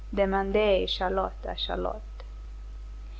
Demandait Charlot à Charlotte.